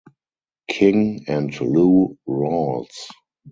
King, and Lou Rawls.